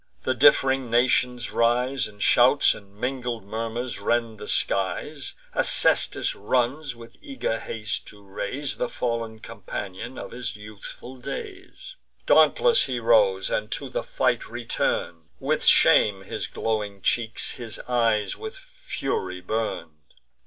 The diff'ring nations rise, And shouts and mingled murmurs rend the skies, Acestus runs with eager haste, to raise The fall'n companion of his youthful days. Dauntless he rose, and to the fight return'd; With shame his glowing cheeks, his eyes with fury burn'd.